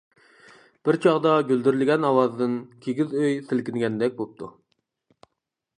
بىر چاغدا گۈلدۈرلىگەن ئاۋازدىن كىگىز ئۆي سىلكىنگەندەك بوپتۇ.